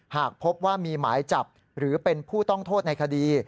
หากพบว่ามีหมายจับหรือเป็นผู้ต้องโทษในคดี